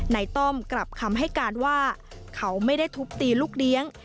ต้อมกลับคำให้การว่าเขาไม่ได้ทุบตีลูกเลี้ยง